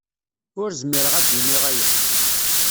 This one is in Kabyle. Ur zmireɣ ad iniɣ aya.